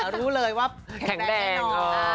รู้เลยว่าแข็งแดง